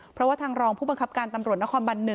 เพราะว่าทางรองผู้บังคับการตำรวจนครบัน๑